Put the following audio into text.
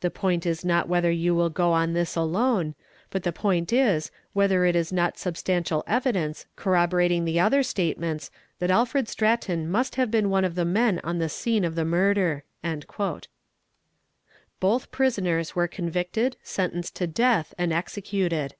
The point is not whether you will go on this alone, but the point is whether it is not sub stantial evidence corroborating the other statements that Alfred Stratton must have been one of the men on the scene of the murder." Both prisoners were convicted, sentenced to death, and executed.